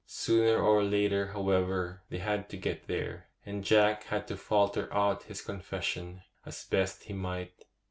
Sooner or later, however, they had to get there, and Jack had to falter out his confession as best he might.